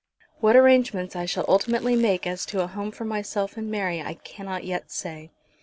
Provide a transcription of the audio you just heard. What arrangements I shall ultimately make as to a home for myself and Mary, I cannot yet say.